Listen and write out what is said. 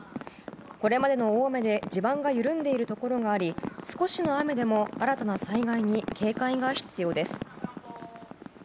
これまでの大雨で地盤が緩んでいるところがあり少しの雨でも新たな災害に警戒が必要です。